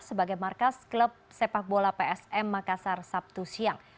sebagai markas klub sepak bola psm makassar sabtu siang